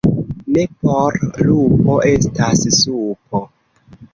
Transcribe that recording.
Ne por lupo estas supo.